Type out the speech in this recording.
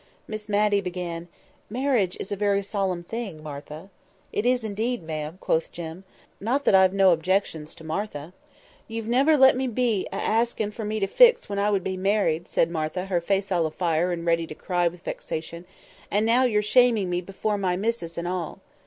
Miss Matty began— "Marriage is a very solemn thing, Martha." "It is indeed, ma'am," quoth Jem. "Not that I've no objections to Martha." "You've never let me a be for asking me for to fix when I would be married," said Martha—her face all a fire, and ready to cry with vexation—"and now you're shaming me before my missus and all."